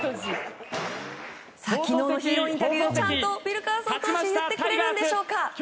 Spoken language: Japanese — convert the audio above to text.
昨日のヒーローインタビューちゃんとウィルカーソン投手言ってくれるのでしょうか。